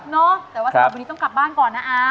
เนาะแต่ว่าสำหรับวันนี้ต้องกลับบ้านก่อนนะอา